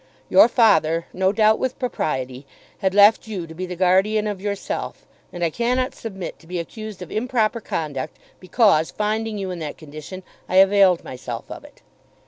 Your father, no doubt with propriety, had left you to be the guardian of yourself, and I cannot submit to be accused of improper conduct because, finding you in that condition, I availed myself of it.